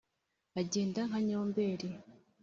Agenda nka nyomberi